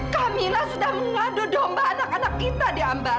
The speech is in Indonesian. kamila sudah mengadu domba anak anak kita mbak